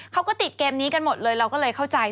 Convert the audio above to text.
เขาก็ติดเกมนี้กันหมดเลยเราก็เลยเข้าใจ